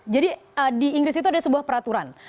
jadi di inggris itu ada sebuah peraturan